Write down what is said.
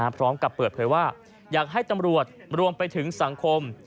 พร้อมกับเปิดเผยว่าอยากให้ตำรวจรวมไปถึงสังคม